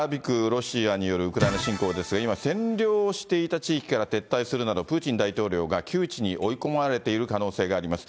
ロシアによるウクライナ侵攻ですが、今、占領していた地域から撤退するなど、プーチン大統領が窮地に追い込まれている可能性があります。